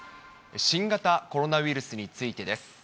新型コロナウイルスについてです。